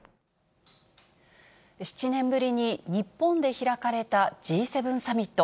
７年ぶりに日本で開かれたＧ７サミット。